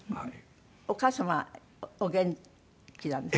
お母様はお元気なんですか？